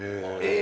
え！